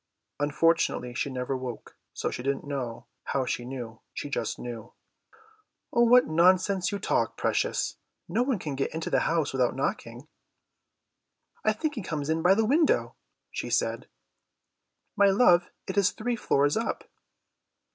Unfortunately she never woke, so she didn't know how she knew, she just knew. "What nonsense you talk, precious. No one can get into the house without knocking." "I think he comes in by the window," she said. "My love, it is three floors up."